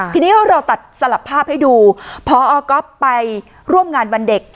ทีนี้เราตัดสลับภาพให้ดูพอก๊อฟไปร่วมงานวันเด็ก